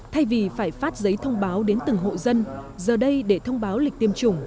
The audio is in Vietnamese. thay vì phải phát giấy thông báo đến từng hộ dân giờ đây để thông báo lịch tiêm chủng